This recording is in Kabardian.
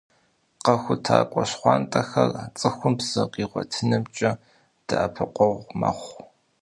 «КъэхутакӀуэ щхъуантӀэхэр» цӀыхум псы къигъуэтынымкӀэ дэӀэпыкъуэгъу мэхъу.